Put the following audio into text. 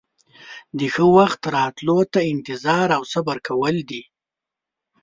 د ښه وخت راتلو ته انتظار او صبر کول دي.